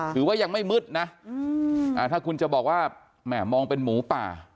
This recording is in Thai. ถือว่ายังไม่มืดนะถ้าคุณจะบอกว่าแหม่มองเป็นหมูป่า